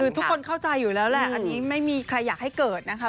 คือทุกคนเข้าใจอยู่แล้วแหละอันนี้ไม่มีใครอยากให้เกิดนะคะ